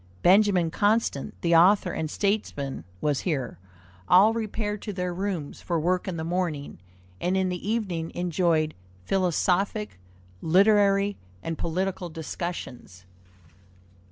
Benjamin Constant, the author and statesman, was here. All repaired to their rooms for work in the morning, and in the evening enjoyed philosophic, literary, and political discussions.